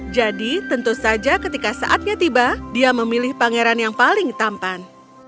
jadi tentu saja ketika saatnya tiba dia memilih pangeran yang paling tampan